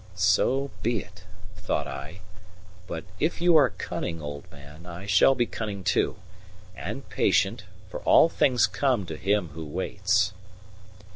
"So be it," thought I; "but if you are cunning, old man, I shall be cunning too and patient; for all things come to him who waits."